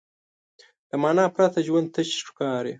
له معنی پرته ژوند تش ښکاري.